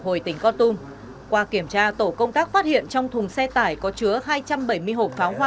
hồi tỉnh con tum qua kiểm tra tổ công tác phát hiện trong thùng xe tải có chứa hai trăm bảy mươi hộp pháo hoa